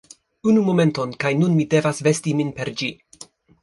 Unu momenton kaj nun mi devas vesti min per ĝi